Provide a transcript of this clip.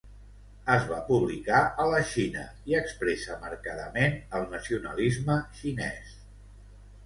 Es va publicar a la Xina i expressa marcadament el nacionalisme xinès.